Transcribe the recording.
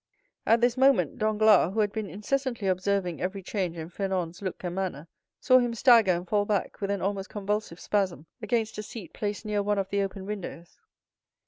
At this moment Danglars, who had been incessantly observing every change in Fernand's look and manner, saw him stagger and fall back, with an almost convulsive spasm, against a seat placed near one of the open windows.